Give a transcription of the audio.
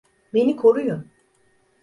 Beni koruyun!